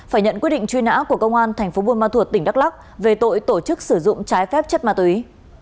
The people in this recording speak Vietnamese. phải nhận quyết định truy nã của công an thành phố buôn ma thuột tỉnh đắk lắc về tội tổ chức sử dụng trái phép chất ma túy